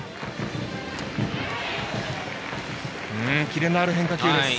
キレのある変化球です。